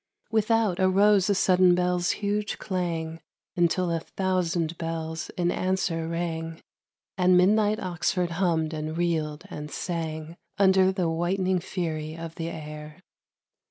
Without arose a sudden bell's huge clang Until a thousand bells in answer rang And midnight Oxford hummed and reeled and sang Under the whitening fury of the air.